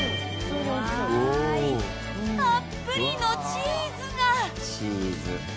たっぷりのチーズが！